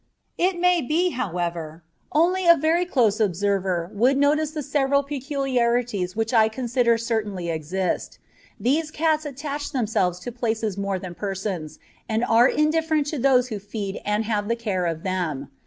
It may be, however, only a very close observer would notice the several peculiarities which I consider certainly exist. These cats attach themselves to places more than persons, and are indifferent to those who feed and have the care of them.